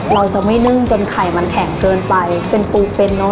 เราจะไม่นึ่งจนไข่มันแข็งเกินไปเป็นปูเป็นเนอะ